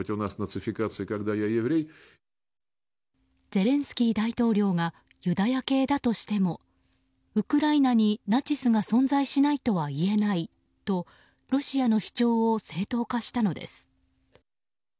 ゼレンスキー大統領がユダヤ系だとしてもウクライナにナチスが存在しないとは言えないとロシアの主張を正当化したのです。